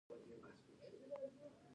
څو ډوله نومځري پيژنئ.